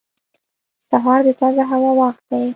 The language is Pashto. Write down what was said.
• سهار د تازه هوا وخت دی.